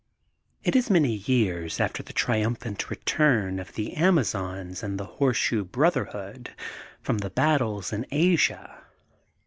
It is many years after the triumphant re turn of the Amazons and the Horseshoe Brotherhood from the battles in Asia.